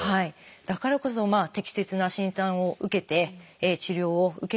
だからこそ適切な診断を受けて治療を受けていただく。